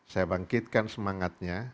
saya bangkitkan semangatnya